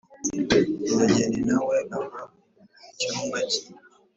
umugeni na we ave mu cyumba cye.